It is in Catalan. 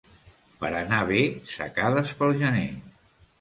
Per anar bé, secades pel gener.